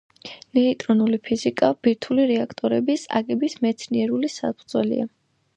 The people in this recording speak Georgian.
ნეიტრონული ფიზიკა ბირთვული რეაქტორების აგების მეცნიერული საფუძველია.